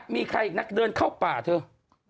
มีใครอีกนักเดินเข้าป่าเถอะ